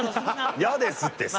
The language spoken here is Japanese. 嫌ですって。